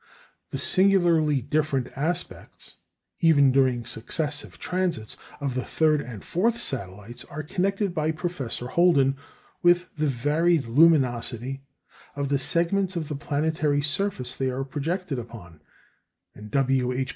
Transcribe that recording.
The singularly different aspects, even during successive transits, of the third and fourth satellites, are connected by Professor Holden with the varied luminosity of the segments of the planetary surface they are projected upon, and W. H.